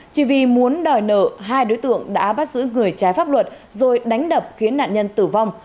chỉ vì muốn đòi nợ hai đối tượng đã bắt giữ người trái pháp luật rồi đánh đập khiến nạn nhân tử vong